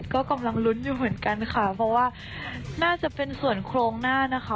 ก็กำลังลุ้นอยู่เหมือนกันค่ะเพราะว่าน่าจะเป็นส่วนโครงหน้านะคะ